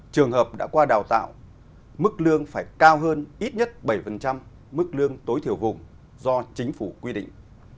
trường hợp đã qua đào tạo mức lương phải cao hơn ít nhất bảy mức lương tối thiểu vùng do chính phủ quy định